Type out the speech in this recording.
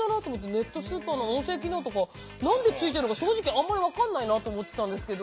ネットスーパーの音声機能とかなんでついているのか正直あまり分からないと思ってたんですけど。